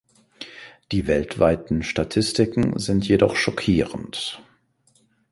Die weltweiten Statistiken sind jedoch schockierend.